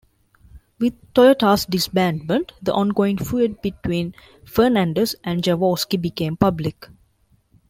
With Toyota's disbandment, the ongoing feud between Fernandez and Jaworski became public.